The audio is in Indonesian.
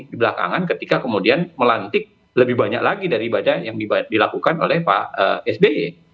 di belakangan ketika kemudian melantik lebih banyak lagi daripada yang dilakukan oleh pak sby